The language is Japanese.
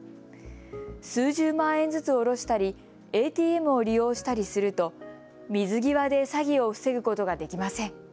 数十万円ずつ下ろしたりＡＴＭを利用したりすると水際で詐欺を防ぐことができません。